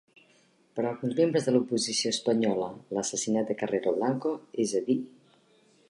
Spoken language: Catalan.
Per a alguns membres de l'oposició espanyola, l'assassinat de Carrero Blanco, és a dir,